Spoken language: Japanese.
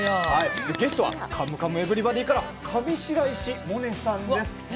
ゲストは「カムカムエヴリバディ」から上白石萌音さんです。